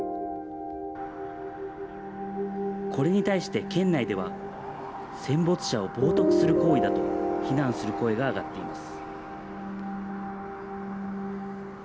これに対して県内では、戦没者を冒とくする行為だと、非難する声が上がっています。